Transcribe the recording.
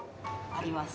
あります。